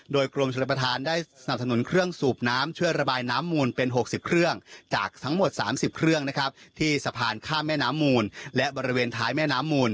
โดยกรมชนประธานได้สนับสนุนเครื่องสูบน้ำช่วยระบายน้ำมูลเป็น๖๐เครื่องจากทั้งหมด๓๐เครื่องนะครับที่สะพานข้ามแม่น้ำมูลและบริเวณท้ายแม่น้ำมูล